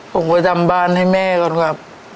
ผมไปทำบ้านให้แม่ก่อนครับ